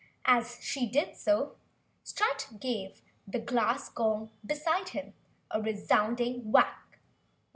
As she did so, Strut gave the glass gong beside him a resounding whack.